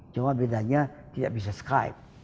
cuma bedanya tidak bisa skype